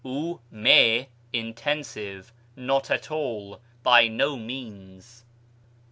οὐ μή (intensive), not at all, by no means.